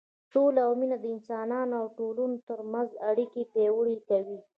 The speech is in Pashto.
سوله او مینه د انسانانو او ټولنو تر منځ اړیکې پیاوړې کوي.